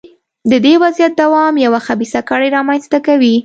د دې وضعیت دوام یوه خبیثه کړۍ رامنځته کوي.